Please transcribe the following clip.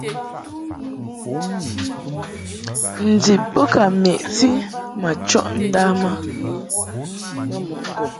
Ndib bo ka meʼti ma chɔʼ ndam a.